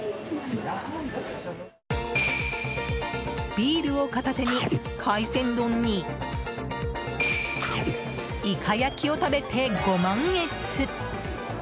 ビールを片手に海鮮丼にイカ焼きを食べて、ご満悦。